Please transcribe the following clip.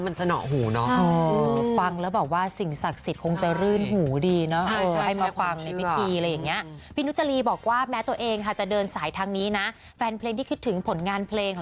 พี่แก่พอมากเลยเนอะ